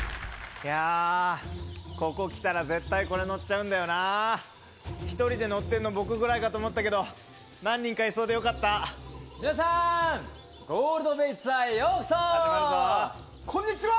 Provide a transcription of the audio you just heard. いやあここ来たら絶対これ乗っちゃうんだよな１人で乗ってんの僕ぐらいかと思ったけど何人かいそうでよかった皆さーんゴールドベイツアーへようこそ始まるぞこんにちはー